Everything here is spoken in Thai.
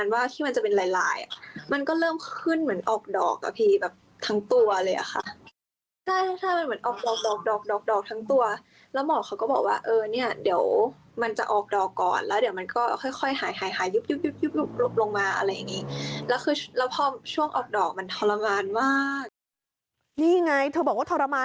นี่ไงเธอบอกว่าทรมานกว่า